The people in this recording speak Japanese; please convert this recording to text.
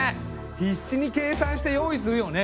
必死に計算して用意するよね